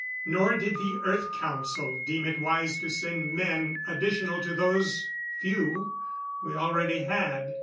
Nor did the Earth Council deem it wise to send men additional to those few we already had.